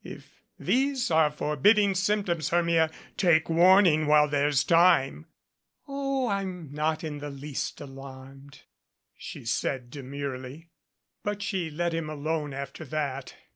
If 157 MADCAP these are forbidding symptoms, Hermia, take warning while there's time." "Oh, I'm not in the least alarmed," she said demurely. But she let him alone after that.